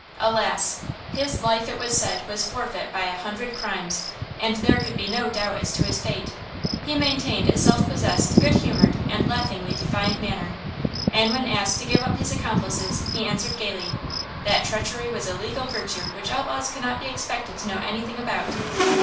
Alas! his life, it was said, was forfeit by a hundred crimes, and there could be no doubt as to his fate. He maintained a self possessed good humored and laughingly defiant manner, and when asked to give up his accomplices, he answered gaily: That treachery was a legal virtue which outlaws could not be expected to know anything about.